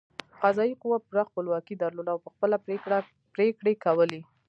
قضايي قوه پوره خپلواکي درلوده او په خپله پرېکړې کولې.